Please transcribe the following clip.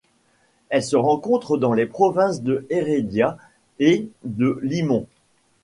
Elle se rencontre dans les provinces de Heredia et de Limón.